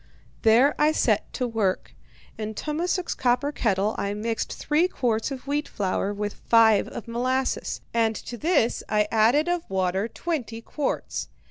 "There I set to work. In Tummasook's copper kettle I mixed three quarts of wheat flour with five of molasses, and to this I added of water twenty quarts.